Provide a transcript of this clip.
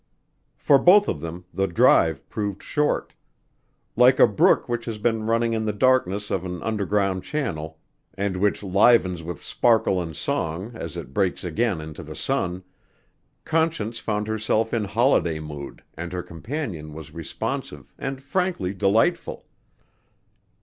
For both of them the drive proved short. Like a brook which has been running in the darkness of an underground channel, and which livens with sparkle and song as it breaks again into the sun Conscience found herself in holiday mood and her companion was responsive and frankly delightful.